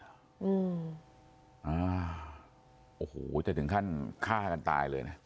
อืมอ่าโอ้โหจะถึงขั้นฆ่ากันตายเลยนะ